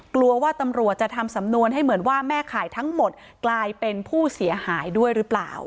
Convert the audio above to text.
กลัวว่าตำรวจจะทำสำนวนให้เหมือนว่าแม่ข่ายทั้งหมดกลายเป็นผู้เสียหายด้วยหรือเปล่า